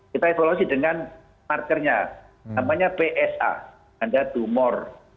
kita evaluasi dengan markernya namanya psa ada tumor